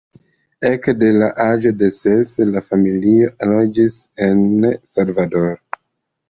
Ekde la aĝo de ses la familio loĝis en Salvador.